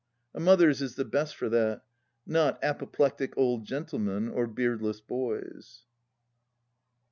A mother's is the best for that, not apoplectic old gentlemen or beardless boys.